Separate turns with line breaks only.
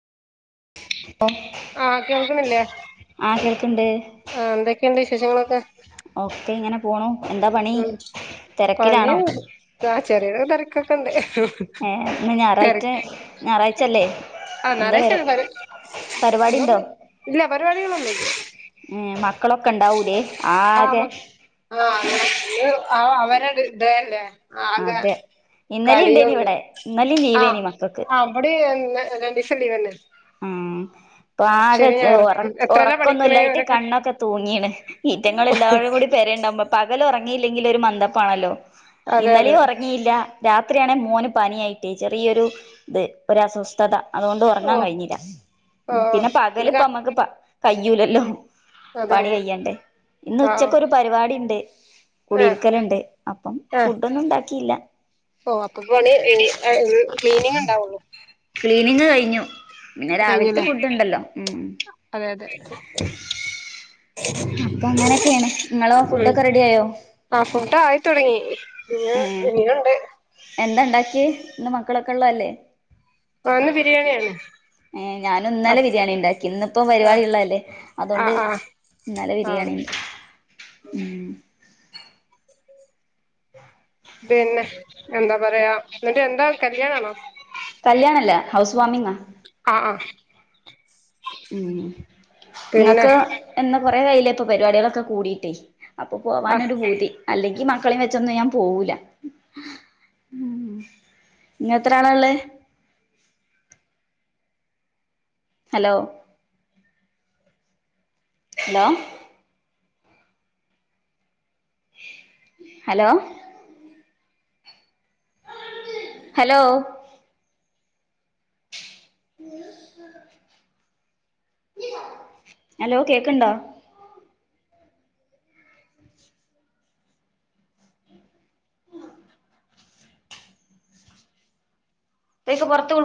ആഹ് കേൾക്ക്ന്നില്ലേ
ആ കേൾക്ക്ണ്ട്
ആഹ് എന്തേക്കെണ്ട് വിശേഷങ്ങളൊക്കെ
ഓക്കെ ഇങ്ങനെ പോണു എന്താ പണി തെരക്കിലാണോ
ആഹ് ചെറിയൊര് തെരക്കൊക്കെണ്ട്
ഏ ഇന്ന്
തെര
ഞായറാഴ്ച ഞായറാഴ്ചല്ലേ
ആഹ്
എന്താ പരു
ഞായറാഴ്ച്ച്യാണ് പര്
പരിപാടി
ഇതൊന്ന് ഇല്ല പരിപാടികളൊന്ന്ല്ല
ഏഹ് മക്കളൊക്കെ ഇണ്ടാവൂലേ
ആഹ് മക്ക് ആഹ് മക്കള് അവരോര് ഡേ അല്ലേ ആകെ
അതെ ഇന്നലെ ഇണ്ടേനി
കളിയൊള്ളു
ഇവിടെ ഇന്നലിം
ആഹ്
ലീവേനി മക്കൾക്ക്
ആഹ് ഇവടിം രണ്ടീസം ലീവെന്നേ
മ്മ് ഇപ്പാകെ
ഞായറും
ഒറ
ഉം എത്രേലാ പഠിക്കണേ
ഒറക്കൊന്നുല്ലായിട്ട്
അവരൊക്കെ
കണ്ണൊക്കെ തൂങ്ങീണ് ഈറ്റങ്ങള് എല്ലാരും കൂടി പേരേണ്ടാവുമ്പം പകല് ഒറങ്ങില്ലെങ്കില് ഒരു മന്തപ്പാണല്ലോ
അതെ അതെ
ഇന്നലേം ഒറ ങ്ങീല്ലാ രാത്രിയാണെ മോന് പനിയായിട്ടെ ചെറിയൊരു ഇത് ഒരു അസ്വസ്ഥത അതോണ്ട്
ഓ
ഉറങ്ങാൻ കഴിഞ്ഞില്ല
ഓ ഓ
പിന്നെ
എന്നിട്ട് ക
പകലിപ്പ നമ്മക്ക് കയ്യൂലല്ലോ
ഉം അതെ
പണി കയ്യണ്ടേ ഇന്ന്
ആഹ്
ഉച്ചക്കൊരു പരിപാടി ഉണ്ട്
ആഹ്
കുടിയിരിക്കൽ ഉണ്ട് അപ്പം
ആഹ്
ഫുഡന്നും ഉണ്ടാക്കിയില്ല
ഓ അപ്പൊ ഇപ്പ പണി ക്ലീനിങ് ഉണ്ടാവുള്ളോ
ക്ലീനിങ് കഴിഞ്ഞു പിന്നെ രാവിലത്തെ
കഴിഞ്ഞല്ലേ
ഫുഡ് ഉണ്ടല്ലോ ഉം
അതെ അതെ
അപ്പൊങ്ങനെക്കെണ് നിങ്ങളോ ഫുഡ്
ഉം
ഒക്കെ റെഡിയായോ
ആ ഫുഡായിത്തെടങ്ങി പിന്നെ - ന്ണ്ട്
എന്താണ്ടാക്ക്യേ ഇന്ന് മക്കളൊക്കെള്ളതല്ലേ
ഇന്ന് ബിരിയാണിയാണ്
ഏഹ് ഞാന ഇന്നലെ
അപ്പൊ
ബിരിയാണിണ്ടാക്കി ഇന്നിപ്പം
ആഹ്
പരിപാടിള്ളല്ലേ അതോണ്ട്
ആഹ് ആഹ്
ഇന്നല
ആഹ്
ബിരിയാണി ഉം
പിന്നെ എന്താ പറയാ എന്നിട്ട് എന്താ കല്യാണാണോ
കല്യാണല്ല ഹൗസ് വാർമിംഗാ
ആഹ് ആഹ്
ഉം
പിന്നെ
ഇങ്ങക്ക് എന്നാ കൊറെ ആയ്യിലേ ഇപ്പൊ പരിപാട്യാളൊക്കെ കൂടിട്ടേ അപ്പൊ
ആഹ്
പോവാനൊരു പൂതി അല്ലെങ്കി മക്കളെ വെച്ചൊന്നും ഞാൻ പോവൂല ഇങ്ങത്ര ആളാള്ളത് ഹലോ ഹലോ ഹലോ ഹലോ ഉം ഹലോ കേക്ക്ണ്ടോ കേക്ക് പുറത്തപോണ്